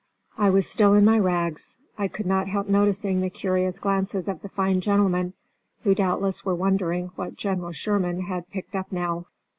I was still in my rags. I could not help noticing the curious glances of the fine gentlemen, who doubtless were wondering what General Sherman had picked up now.